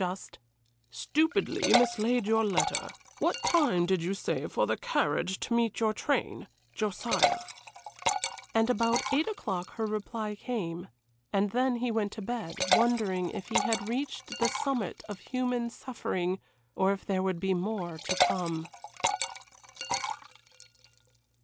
Just: "Stupidly mislaid your letter. What time did you say for the carriage to meet your train? "JOSIAH." And about eight o'clock her reply came, and then he went to bed, wondering if he had reached the summit of human suffering or if there would be more to come.